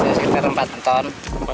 hasilnya sekitar empat ton